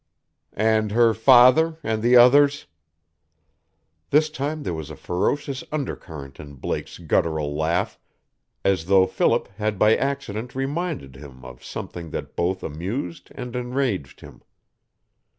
"And her father and the others " This time there was a ferocious undercurrent in Blake's guttural laugh, as though Philip had by accident reminded him of something that both amused and enraged him.